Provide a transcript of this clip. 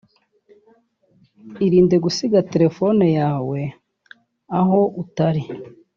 Irinde gusiga telefone yawe aho utari